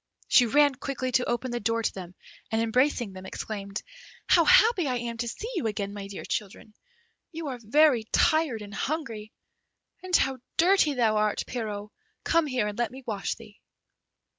She ran quickly to open the door to them, and, embracing them, exclaimed, "How happy I am to see you again, my dear children; you are very tired and hungry. And how dirty thou art, Pierrot; come here and let me wash thee."